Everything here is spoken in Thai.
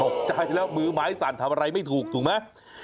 ตกใจแล้วมือไม้สั่นทำอะไรไม่ถูกถูกไหม